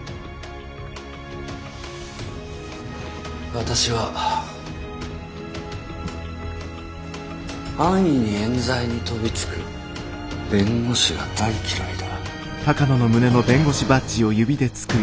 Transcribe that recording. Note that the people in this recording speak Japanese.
私は安易にえん罪に飛びつく弁護士が大嫌いだ。